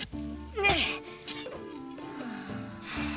・ねえ。